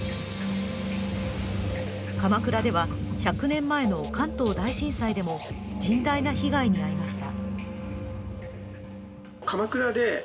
鎌倉では１００年前の関東大震災でも甚大な被害に遭いました。